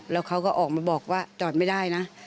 แล้วเขาก็ออกมาบอกว่าจอดไม่ได้นะ